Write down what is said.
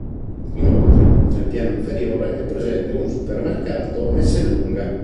Inoltre, nel piano inferiore, è presente un supermercato Esselunga.